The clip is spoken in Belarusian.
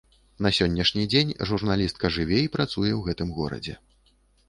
На сённяшні дзень журналістка жыве і працуе ў гэтым горадзе.